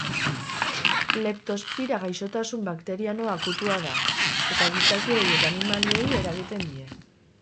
Leptospira gaixotasun bakteriano akutua da, eta gizakiei eta animaliei eragiten die.